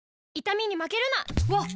わっ！